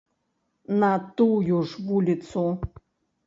На тую ж вуліцу.